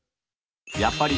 やっぱり。